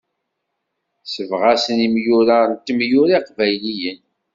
Sebɣasen imyura, d temyura iqbayliyen.